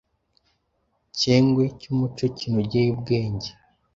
cyengwe cy’umuco kinogeye ubwenge,